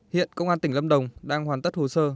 hiện công an tỉnh lâm đồng đang hoàn tất hồ sơ